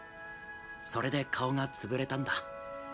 それで顔が潰れたんだ。